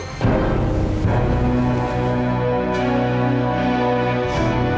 saya pergi dulu